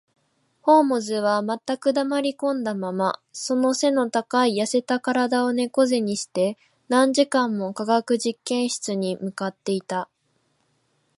ホームズは全く黙りこんだまま、その脊の高い痩せた身体を猫脊にして、何時間も化学実験室に向っていた